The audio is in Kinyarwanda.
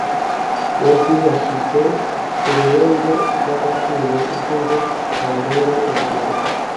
Yesu yashyizwe ku ruhembe mv'abatuye isi ngo ababere urugero